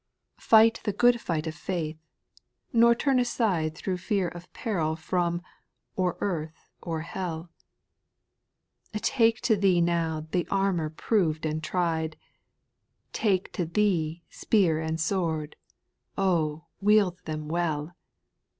8. Fight the good fight of faith, nor turn aside Through fear of peril from or earth or hell ; Take to thee now the armour proved and tried, Take to thee spear and sword ;— oh I wield them well.